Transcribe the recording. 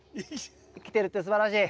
生きてるってすばらしい！